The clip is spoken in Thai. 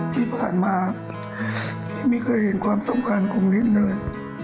ที่ผ่านมาพี่ไม่เคยเห็นความสำคัญของพี่เลย